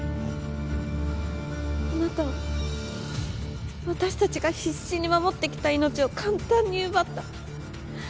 あなたは私たちが必死に守って来た命を簡単に奪った。